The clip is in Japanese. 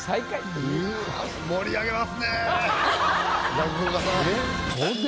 落語家さん。